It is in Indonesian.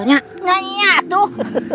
nyak nyak nyak tuh